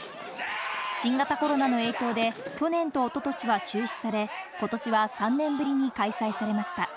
新型コロナの影響で去年と一昨年は中止され、今年は３年ぶりに開催されました。